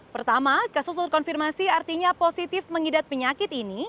pertama kasus terkonfirmasi artinya positif mengidap penyakit ini